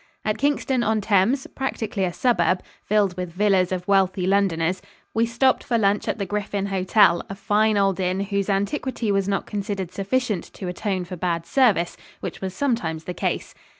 At Kingston on Thames, practically a suburb, filled with villas of wealthy Londoners, we stopped for lunch at the Griffin Hotel, a fine old inn whose antiquity was not considered sufficient to atone for bad service, which was sometimes the case.